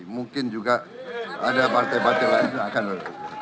mungkin juga ada partai partai lain yang akan